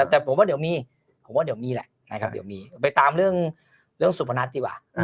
แต่ผมว่าเดี๋ยวมีผมว่าเดี๋ยวมีแหละไปตามเรื่องสุพนัทดีกว่า